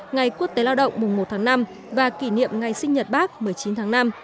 ngày quốc tế lao động mùng một tháng năm và kỷ niệm ngày sinh nhật bác một mươi chín tháng năm